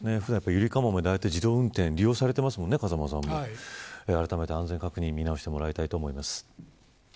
ゆりかもめ、自動運転利用されてますもんね風間さん。あらためて安全確認見直してもらいたいと思います。